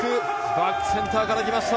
バックセンターから来ました！